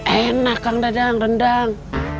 enak kang dadang rendang